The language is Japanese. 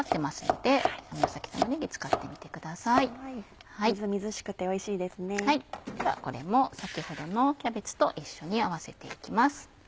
ではこれも先ほどのキャベツと一緒に合わせて行きます。